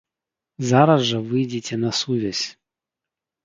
Зараз жа выйдзіце на сувязь!